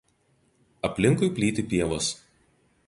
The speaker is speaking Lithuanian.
Aplinkui plyti pievos.